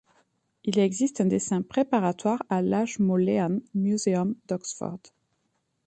Il existe un dessin préparatoire à l'Ashmolean Museum d'Oxford.